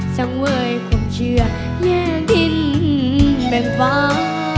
สังเวยความเชื่อแง่ดินแบ่งฟ้า